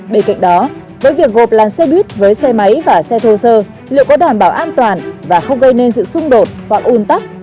bên cạnh đó với việc gộp làn xe buýt với xe máy và xe thô sơ liệu có đảm bảo an toàn và không gây nên sự xung đột hoặc un tắc